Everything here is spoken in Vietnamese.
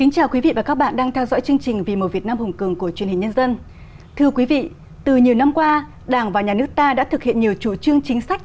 chào mừng quý vị đến với bộ phim hãy nhớ like share và đăng ký kênh của chúng mình nhé